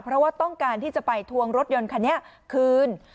เพราะว่าต้องการที่จะไปทวงรถยนต์คันนี้คืน